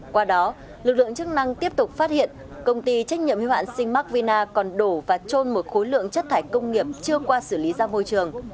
qua đó lực lượng chức năng tiếp tục phát hiện công ty trách nhiệm hưu hạn sinh mac vina còn đổ và trôn một khối lượng chất thải công nghiệp chưa qua xử lý ra môi trường